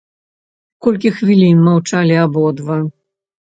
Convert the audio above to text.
Колькі хвілін маўчалі абодва.